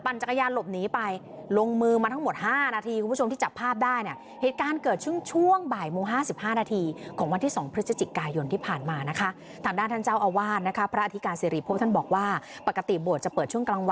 ปั่นจักรยานหลบหนีไปลงมือมันของหมด๕นาที